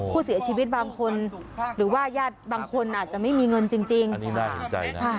เสียชีวิตบางคนหรือว่าญาติบางคนอาจจะไม่มีเงินจริงไม่น่าสนใจนะ